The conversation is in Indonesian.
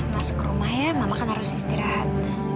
masuk ke rumah ya mama kan harus istirahat